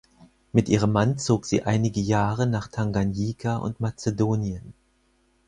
Mit ihrem Mann zog sie einige Jahre nach Tanganjika und Mazedonien.